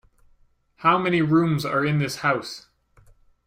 How many rooms are in this house?